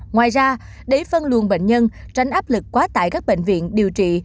ngoài ra để phân luồn bệnh nhân tránh áp lực quá tải các bệnh viện điều trị